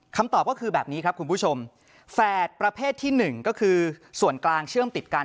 คำตอบก็คือแบบนี้ครับคุณผู้ชมแฝดประเภทที่๑ก็คือส่วนกลางเชื่อมติดกัน